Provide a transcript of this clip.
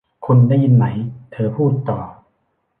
'คุณได้ยินไหม' เธอพูดต่อ